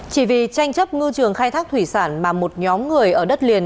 chỉ vì tranh chấp ngư trường khai thác thủy sản mà một nhóm người ở đất liền